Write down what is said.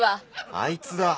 あいつだ！